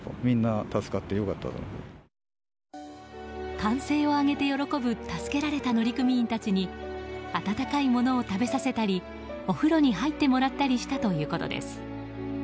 歓声を上げて喜ぶ助けられた乗組員たちに温かいものを食べさせたりお風呂に入ってもらったりしたということです。